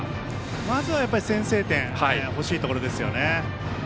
まず、やっぱり先制点欲しいところですよね。